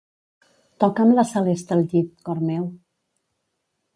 Toca'm la celesta al llit, cor meu.